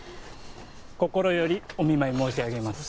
心よりお見舞い申し上げます